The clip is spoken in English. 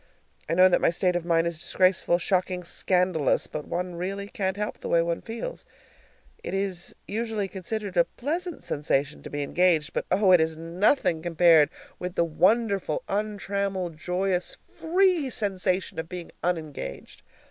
I know that my state of mind is disgraceful, shocking, scandalous, but one really can't help the way one feels. It is usually considered a pleasant sensation to be engaged, but, oh, it is nothing compared with the wonderful untrammeled, joyous, free sensation of being unengaged!